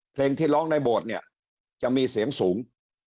เพลงที่ร้องในโบสถ์เนี่ยจะมีเสียงสูง